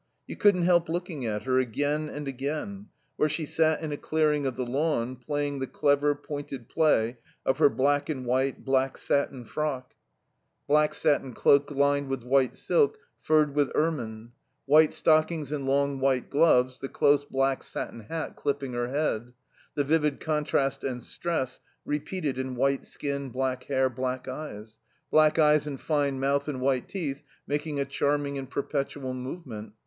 You couldn't help looking at her, again and again, where she sat in a clearing of the lawn, playing the clever, pointed play of her black and white, black satin frock, black satin cloak lined with white silk, furred with ermine; white stockings and long white gloves, the close black satin hat clipping her head; the vivid contrast and stress repeated in white skin, black hair, black eyes; black eyes and fine mouth and white teeth making a charming and perpetual movement.